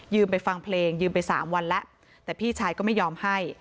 ไปฟังเพลงยืมไปสามวันแล้วแต่พี่ชายก็ไม่ยอมให้